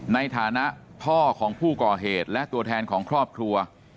ในฐานะพ่อของผู้ก่อเหตุและตัวแทนของครอบครัว